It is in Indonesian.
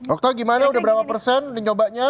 oke gimana udah berapa persen nyobanya